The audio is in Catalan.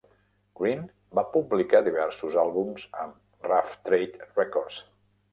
Green va publicar diversos àlbums amb Rough Trade Records.